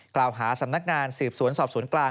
กล่าวหาสำนักงานสืบสวนสอบสวนกลาง